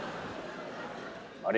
あれ？